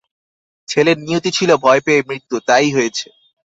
ছেলের নিয়তি ছিল ভয় পেয়ে মৃত্যু-তাই হয়েছে।